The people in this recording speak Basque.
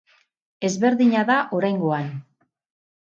Ezberdina da oraingoan.